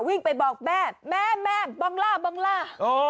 วิ่งไปบอกแม่แม่แม่บองล่าบองล่า